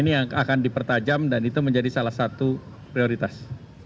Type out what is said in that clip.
ini yang akan dipertajam dan itu menjadi salah satu prioritas